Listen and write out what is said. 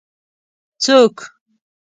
څوک